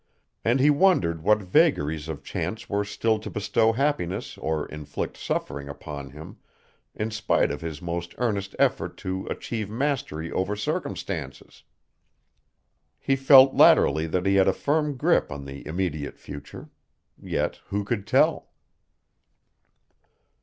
And he wondered what vagaries of chance were still to bestow happiness or inflict suffering upon him in spite of his most earnest effort to achieve mastery over circumstances. He felt latterly that he had a firm grip on the immediate future. Yet who could tell?